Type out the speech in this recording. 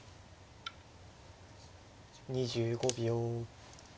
２５秒。